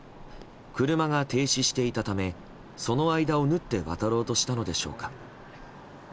車が停止していたためその間を縫って渡ろうとしたのでしょうか。